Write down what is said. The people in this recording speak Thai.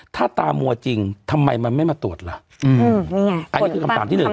ถ้าตามัวจริงทำไมมันไม่มาตรวจล่ะอืมนี่ไงอันนี้คือคำถามที่หนึ่ง